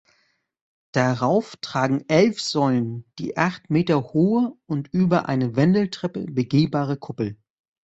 Darauf tragen elf Säulen die acht Meter hohe und über eine Wendeltreppe begehbare Kuppel.